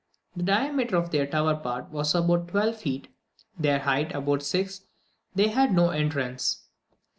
The diameter of their tower part was about twelve feet, their height about six. They had no entrance.